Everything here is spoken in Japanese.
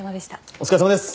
お疲れさまです！